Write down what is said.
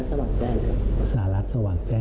ซองแปลว่าอะไร